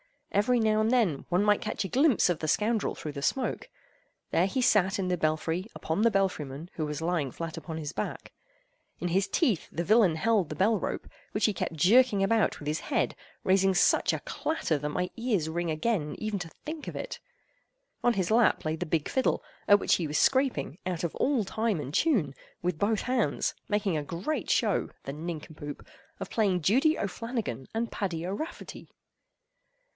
Every now and then one might catch a glimpse of the scoundrel through the smoke. There he sat in the belfry upon the belfry man, who was lying flat upon his back. In his teeth the villain held the bell rope, which he kept jerking about with his head, raising such a clatter that my ears ring again even to think of it. On his lap lay the big fiddle, at which he was scraping, out of all time and tune, with both hands, making a great show, the nincompoop! of playing "Judy O'Flannagan and Paddy O'Rafferty."